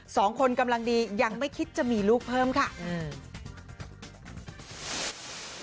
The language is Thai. กำลังดียังไม่คิดจะมีลูกเพิ่มค่ะอืม